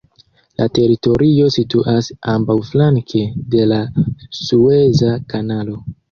La teritorio situas ambaŭflanke de la Sueza Kanalo.